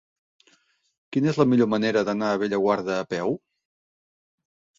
Quina és la millor manera d'anar a Bellaguarda a peu?